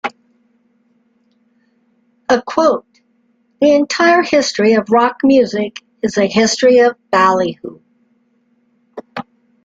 A quote: The entire history of rock music is a history of ballyhoo.